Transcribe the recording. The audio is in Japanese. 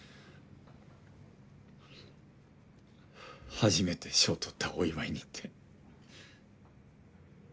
初めて賞とったお祝いにって。